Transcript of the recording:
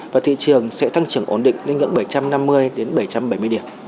và thị trường sẽ tăng trưởng ổn định lên ngưỡng bảy trăm năm mươi đến bảy trăm bảy mươi điểm